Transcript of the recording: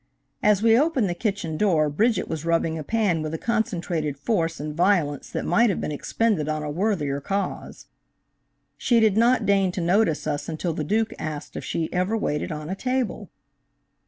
As we opened the kitchen door Bridget was rubbing a pan with a concentrated force and violence that might have been expended on a worthier cause. She did not deign to notice us until the Duke asked if she ever waited on a table.